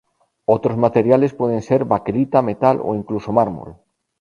Otros materiales pueden ser baquelita, metal o incluso mármol.